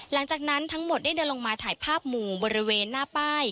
หลังจากนั้นทั้งหมดได้เดินลงมาถ่ายภาพหมู่บริเวณหน้าป้าย